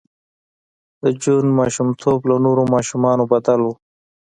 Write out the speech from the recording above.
د جون ماشومتوب له نورو ماشومانو بدل و